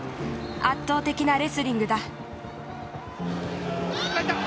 圧倒的なレスリングだ。